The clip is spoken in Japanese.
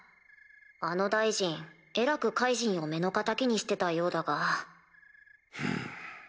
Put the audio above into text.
あの大臣えらくカイジンを目の敵にしてたようだが。